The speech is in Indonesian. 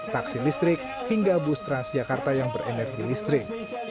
taksi listrik hingga bus transjakarta yang berenergi listrik